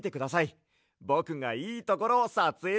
ぼくがいいところをさつえいしますんで！